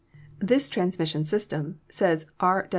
"This transmission system," says R.